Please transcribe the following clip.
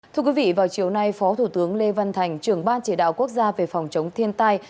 thưa quý vị vào chiều nay phó thủ tướng lê văn thành trưởng ban chỉ đạo quốc gia về phòng chống thiên tai